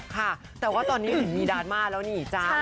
ค่ะแต่ว่าตอนนี้เห็นมีดราม่าแล้วนี่จ๊ะ